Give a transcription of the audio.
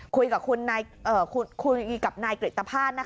คุยกับนายเกรตภาน